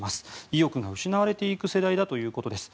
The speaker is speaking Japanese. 意欲が失われていく世代だということです。